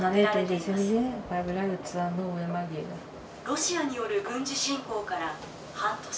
ロシアによる軍事侵攻から半年。